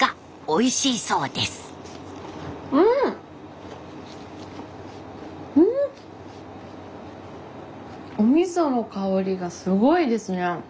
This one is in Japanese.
おみその香りがすごいですね。